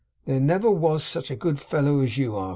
'There never was such a good fellow as you are!